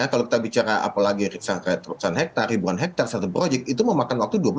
kalau kita bicara apalagi riksasa satu hektare ribuan hektare satu project itu memakan waktu dua puluh tiga puluh tahun